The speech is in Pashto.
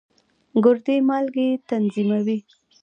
ګردې مالګې تنظیموي.